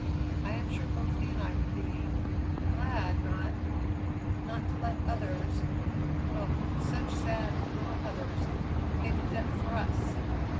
I am sure both he and I will be glad not not to let others, oh! such sad, little others, pay the debt for us.